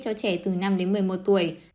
cho trẻ từ năm đến một mươi một tuổi